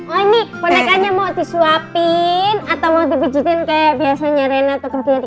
oh ini konekanya mau disuapin atau mau dipijitin kayak biasanya reina atau kerti ya